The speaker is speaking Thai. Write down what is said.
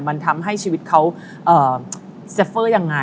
มันทำให้ชีวิตเขาเซฟเฟอร์ยังไง